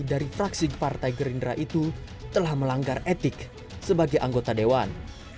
dari fraksi partai gerindra itu telah melanggar etik sebagai anggota dewan